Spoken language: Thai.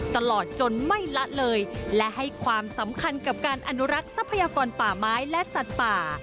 ตลอดจนไม่ละเลยและให้ความสำคัญกับการอนุรักษ์ทรัพยากรป่าไม้และสัตว์ป่า